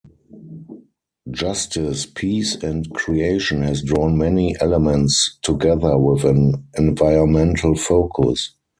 Justice, Peace and Creation has drawn many elements together with an environmental focus.